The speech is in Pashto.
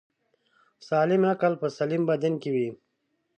سالم عقل په سلیم بدن کی دی